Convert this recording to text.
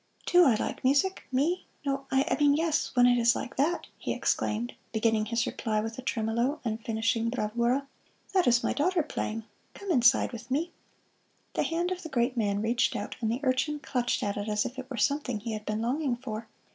"Do I like music? Me! No, I mean yes, when it is like that!" he exclaimed, beginning his reply with a tremolo and finishing bravura. "That is my daughter playing; come inside with me." The hand of the great man reached out, and the urchin clutched at it as if it were something he had been longing for.